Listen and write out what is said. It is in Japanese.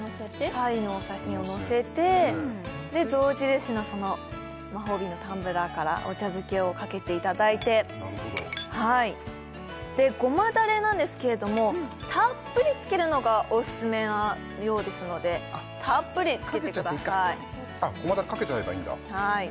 鯛のお刺身をのせてで象印のマホービンのタンブラーからかけていただいてなるほどでゴマダレなんですけれどもたっぷりつけるのがオススメなようですのでたっぷりつけてくださいかけちゃっていいかゴマダレかけちゃえばいいんだ